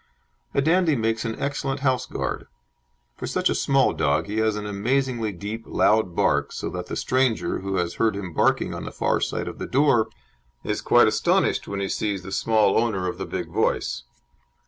A Dandie makes an excellent house guard; for such a small dog he has an amazingly deep, loud bark, so that the stranger, who has heard him barking on the far side of the door, is quite astonished when he sees the small owner of the big voice.